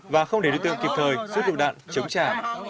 và không để đối tượng kịp thời rút lựu đạn chống trả